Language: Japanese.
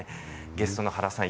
ゲストの原さん